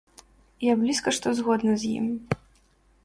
Я блізка што згодна з ім.